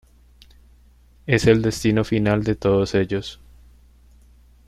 Es el destino final de todos ellos.